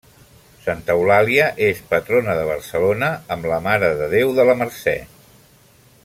Santa Eulàlia és patrona de Barcelona amb la Mare de Déu de la Mercè.